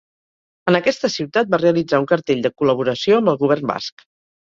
En aquesta ciutat va realitzar un cartell de col·laboració amb el govern Basc.